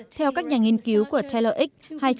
theo các nhà nghiên cứu của taylor x